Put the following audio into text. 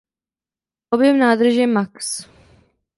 Objem nádrže max.